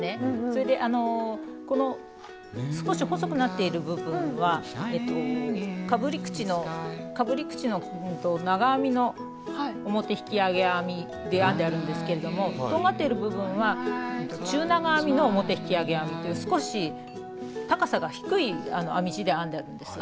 それでこの少し細くなっている部分はかぶり口の長編みの表引き上げ編みで編んであるんですけれどもとんがっている部分は中長編みの表引き上げ編みという少し高さが低い編み地で編んであるんです。